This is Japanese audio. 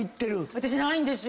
私ないんですよ。